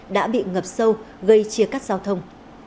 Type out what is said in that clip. đã bị ngập sâu gây chia cắt giao thông